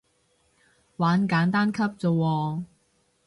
玩簡單級咋喎